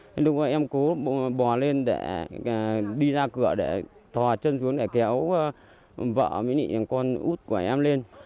thế lúc đó em cố bò lên để đi ra cửa để thò chân xuống để kéo vợ với những con út của em lên